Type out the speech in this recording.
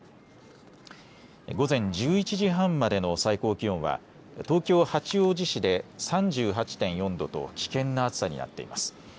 午前１１時半までの最高気温は東京八王子市で３８．４度と危険な暑さになっています。